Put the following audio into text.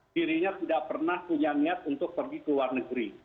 dirinya tidak pernah punya niat untuk pergi ke luar negeri